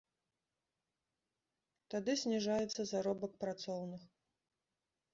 Тады зніжаецца заробак працоўных.